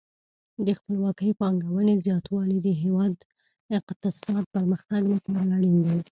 د خپلواکې پانګونې زیاتوالی د هیواد د اقتصادي پرمختګ لپاره اړین دی.